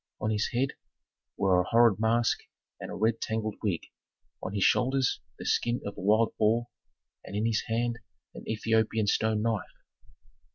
On his head were a horrid mask and a red tangled wig, on his shoulders the skin of a wild boar, and in his hand an Ethiopian stone knife.